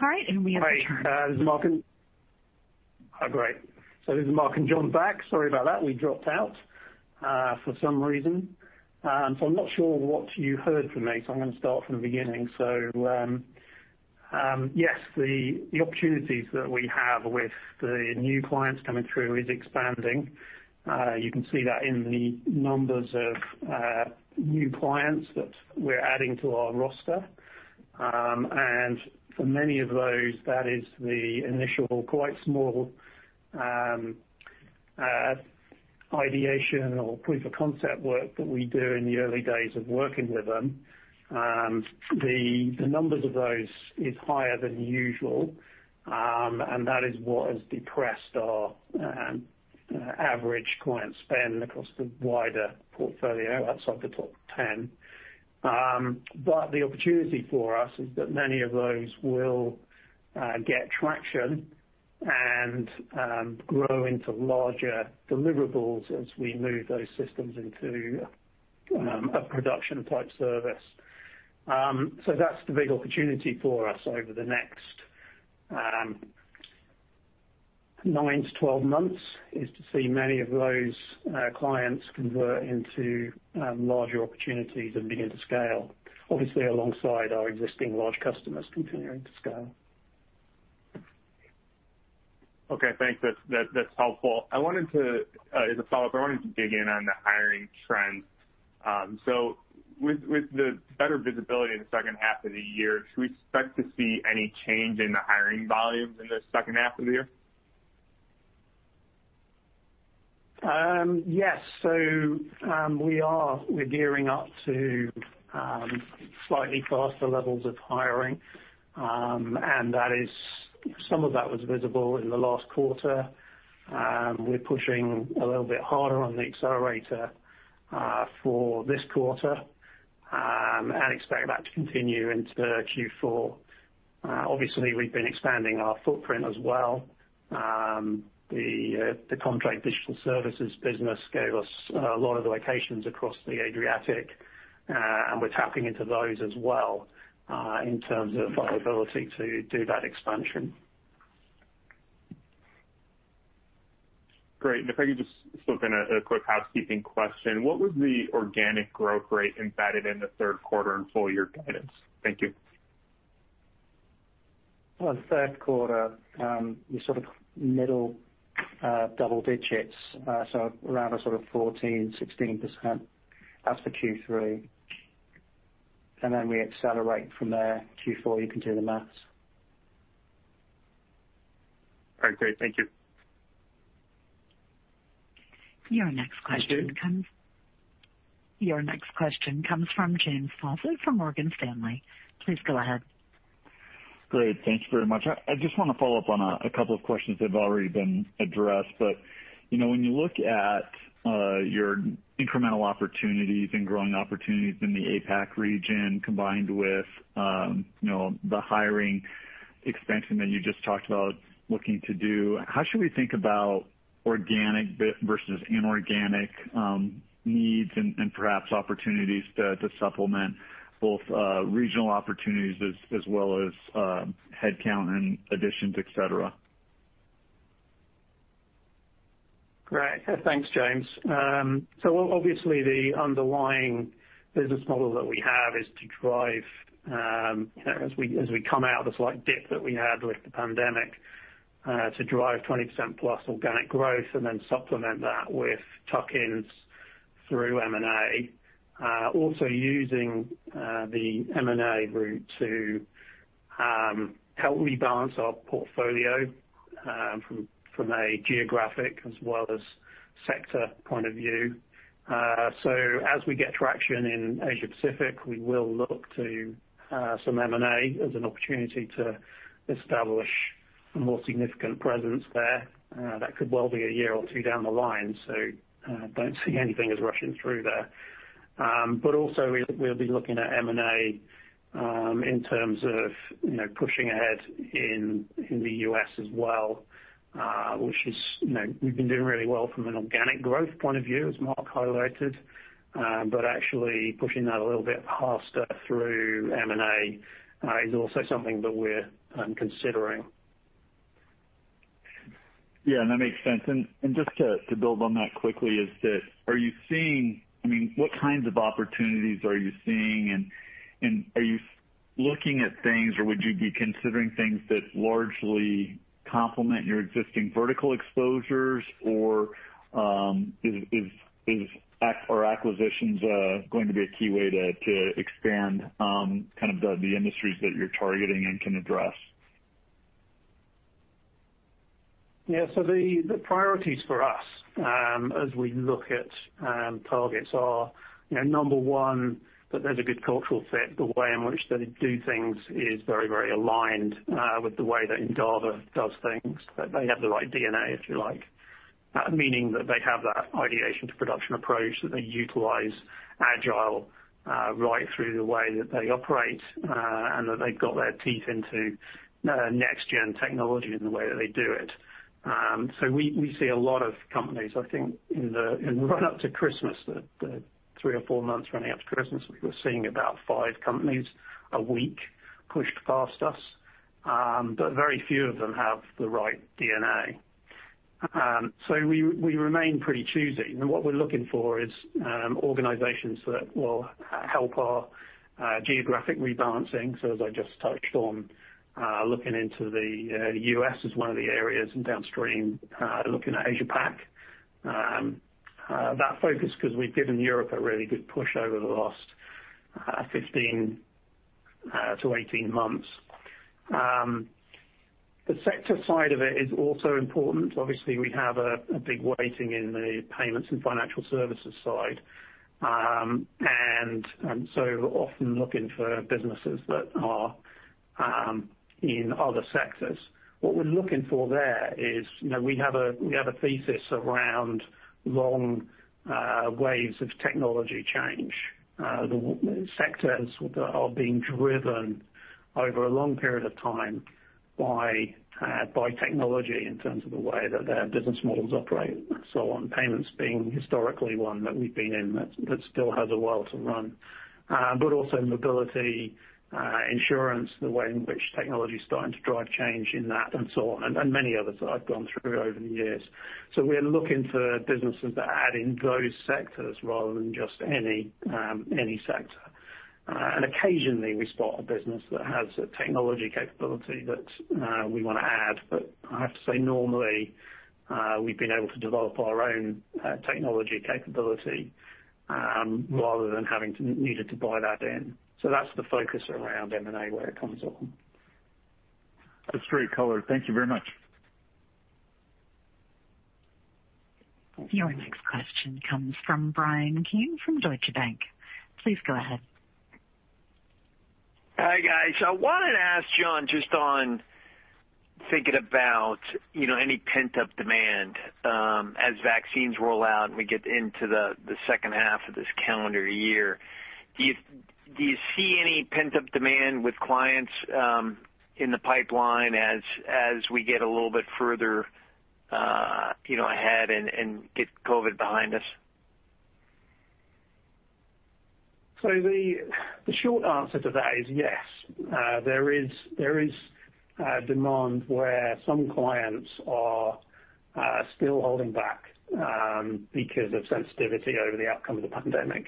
All right. We have returned. Hi, this is Mark. Oh, great. This is Mark and John back. Sorry about that. We dropped out for some reason. I'm not sure what you heard from me. I'm going to start from the beginning. Yes, the opportunities that we have with the new clients coming through is expanding. You can see that in the numbers of new clients that we're adding to our roster. For many of those, that is the initial quite small ideation or proof of concept work that we do in the early days of working with them. The numbers of those is higher than usual, and that is what has depressed our average client spend across the wider portfolio outside the top 10. The opportunity for us is that many of those will get traction and grow into larger deliverables as we move those systems into a production-type service. That's the big opportunity for us over the next nine to 12 months, is to see many of those clients convert into larger opportunities and begin to scale, obviously alongside our existing large customers continuing to scale. Okay, thanks. That is helpful. As a follow-up, I wanted to dig in on the hiring trends. With the better visibility in the second half of the year, should we expect to see any change in the hiring volume in the second half of the year? Yes. We're gearing up to slightly faster levels of hiring. Some of that was visible in the last quarter. We're pushing a little bit harder on the accelerator for this quarter, and expect that to continue into Q4. Obviously, we've been expanding our footprint as well. The Comtrade Digital Services business gave us a lot of locations across the Adriatic, and we're tapping into those as well, in terms of our ability to do that expansion. Great. If I could just slip in a quick housekeeping question. What was the organic growth rate embedded in the third quarter and full year guidance? Thank you. Well, the third quarter, we sort of middle double digits, so around a sort of 14%, 16%. That's for Q3. We accelerate from there. Q4, you can do the math. All right, great. Thank you. Your next question. That's it. Your next question comes from James Faucette from Morgan Stanley. Please go ahead. Great. Thank you very much. I just want to follow up on a couple of questions that have already been addressed. When you look at your incremental opportunities and growing opportunities in the APAC region, combined with the hiring expansion that you just talked about looking to do. How should we think about organic versus inorganic needs and perhaps opportunities to supplement both regional opportunities as well as headcount and additions, et cetera? Great. Thanks, James. Obviously the underlying business model that we have is to drive, as we come out of the slight dip that we had with the pandemic. To drive 20%+ organic growth and then supplement that with tuck-ins through M&A. Also using the M&A route to help rebalance our portfolio from a geographic as well as sector point of view. As we get traction in Asia Pacific, we will look to some M&A as an opportunity to establish a more significant presence there. That could well be a year or two down the line, don't see anything as rushing through there. Also, we'll be looking at M&A, in terms of pushing ahead in the U.S. as well, which we've been doing really well from an organic growth point of view, as Mark highlighted. Actually pushing that a little bit faster through M&A is also something that we're considering. Yeah, that makes sense. Just to build on that quickly, what kinds of opportunities are you seeing? Are you looking at things, or would you be considering things that largely complement your existing vertical exposures, or are acquisitions going to be a key way to expand the industries that you're targeting and can address? Yeah. The priorities for us, as we look at targets are, number one, that there's a good cultural fit. The way in which they do things is very aligned with the way that Endava does things, that they have the right DNA, if you like. Meaning that they have that ideation to production approach, that they utilize Agile right through the way that they operate, and that they've got their teeth into next-gen technology in the way that they do it. We see a lot of companies. I think in the run up to Christmas, the three or four months running up to Christmas, we were seeing about five companies a week pushed past us. Very few of them have the right DNA. We remain pretty choosy, and what we're looking for is organizations that will help our geographic rebalancing. As I just touched on, looking into the U.S. as one of the areas and downstream, looking at Asia Pac. That focus, because we've given Europe a really good push over the last 15months-18 months. The sector side of it is also important. Obviously, we have a big weighting in the payments and financial services side, often looking for businesses that are in other sectors. What we're looking for there is, we have a thesis around long waves of technology change. The sectors that are being driven over a long period of time by technology in terms of the way that their business models operate and so on, payments being historically one that we've been in that still has a while to run. Also mobility, insurance, the way in which technology is starting to drive change in that and so on, and many others that I've gone through over the years. We're looking for businesses that add in those sectors rather than just any sector. Occasionally we spot a business that has a technology capability that we want to add. I have to say, normally, we've been able to develop our own technology capability, rather than having needed to buy that in. That's the focus around M&A where it comes up. That's very clear. Thank you very much. Your next question comes from Bryan Keane from Deutsche Bank. Please go ahead. Hi, guys. I wanted to ask John just on thinking about any pent-up demand. As vaccines roll out and we get into the second half of this calendar year. Do you see any pent-up demand with clients in the pipeline as we get a little bit further ahead and get COVID behind us? The short answer to that is yes. There is demand where some clients are still holding back because of sensitivity over the outcome of the pandemic.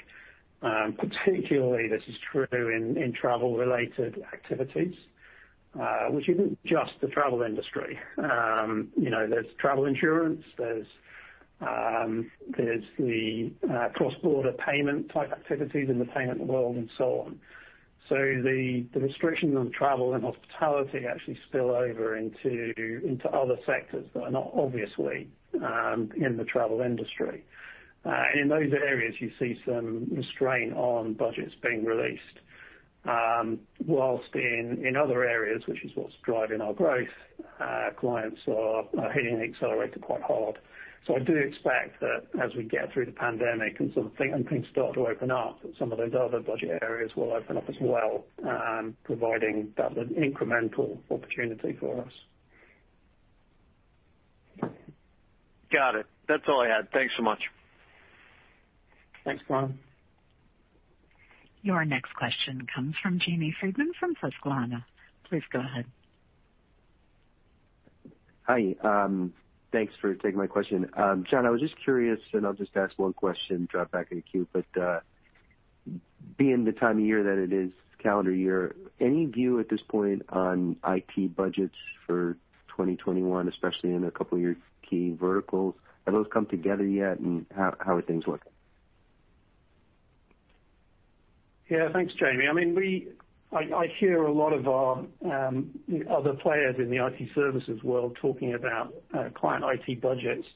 Particularly this is true in travel-related activities, which isn't just the travel industry. There's travel insurance, there's the cross-border payment type activities in the payment world and so on. The restrictions on travel and hospitality actually spill over into other sectors that are not obviously in the travel industry. In those areas, you see some restraint on budgets being released. While in other areas, which is what's driving our growth, clients are hitting the accelerator quite hard. I do expect that as we get through the pandemic and things start to open up, that some of those other budget areas will open up as well, providing that incremental opportunity for us. Got it. That's all I had. Thanks so much. Thanks, Bryan. Your next question comes from Jamie Friedman from Susquehanna. Please go ahead. Hi. Thanks for taking my question. John, I was just curious, and I'll just ask one question, drop back in the queue. Being the time of year that it is, calendar year, any view at this point on IT budgets for 2021, especially in a couple of your key verticals? Have those come together yet, and how are things looking? Thanks, Jamie. I hear a lot of our other players in the IT services world talking about client IT budgets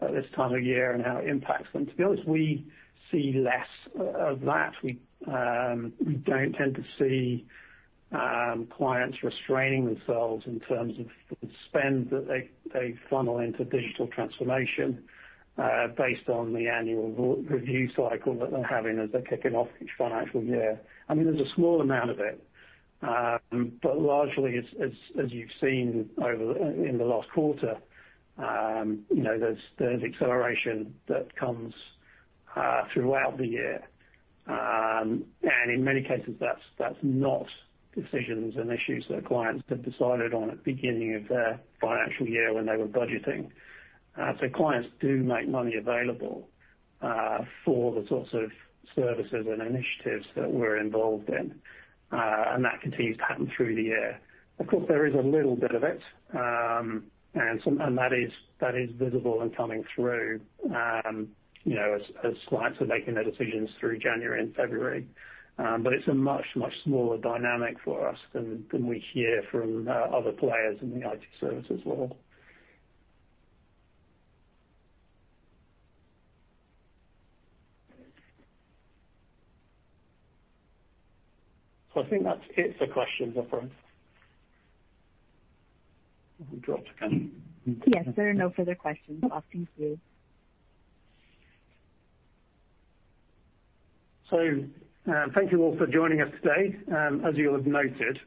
at this time of year and how it impacts them. To be honest, we see less of that. We don't tend to see clients restraining themselves in terms of the spend that they funnel into digital transformation based on the annual review cycle that they're having as they're kicking off each financial year. There's a small amount of it. Largely, as you've seen in the last quarter, there's acceleration that comes throughout the year. In many cases, that's not decisions and issues that clients have decided on at the beginning of their financial year when they were budgeting. Clients do make money available for the sorts of services and initiatives that we're involved in. That continues to happen through the year. There is a little bit of it, and that is visible and coming through as clients are making their decisions through January and February. It's a much, much smaller dynamic for us than we hear from other players in the IT services world. I think that's it for questions, isn't it? Have we dropped again? Yes, there are no further questions. Thank you. Thank you all for joining us today. As you'll have noted,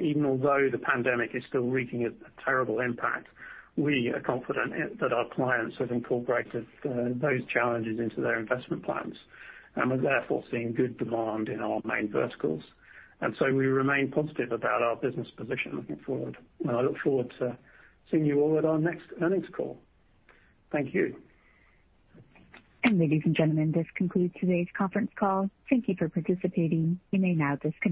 even although the pandemic is still wreaking a terrible impact, we are confident that our clients have incorporated those challenges into their investment plans. We're therefore seeing good demand in our main verticals. We remain positive about our business position looking forward. I look forward to seeing you all at our next earnings call. Thank you. Ladies and gentlemen, this concludes today's conference call. Thank you for participating. You may now disconnect.